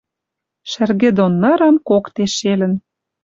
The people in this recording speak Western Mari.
Шӹргӹ дон нырым коктеш шелӹн